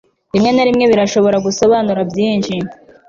rimwe na rimwe birashobora gusobanura byinshi